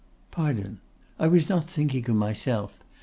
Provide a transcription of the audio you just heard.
'Pardon; I was not thinking of myself.